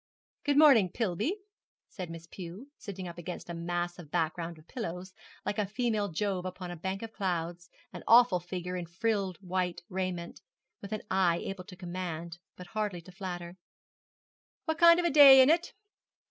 'Good morning, Pillby,' said Miss Pew, sitting up against a massive background of pillows, like a female Jove upon a bank of clouds, an awful figure in frilled white raiment, with an eye able to command, but hardly to flatter; 'what kind of a day is it?'